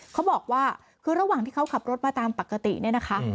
เขาบอกว่าคือระหว่างที่เขาขับรถมาตามปกติเนี่ยนะคะ